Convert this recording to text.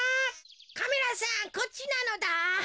カメラさんこっちなのだ。